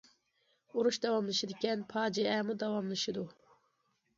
ئۇرۇش داۋاملىشىدىكەن، پاجىئەمۇ داۋاملىشىدۇ.